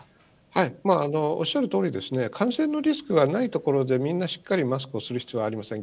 はい、おっしゃるとおりですね、感染のリスクがない所でみんなしっかりマスクをする必要はありません。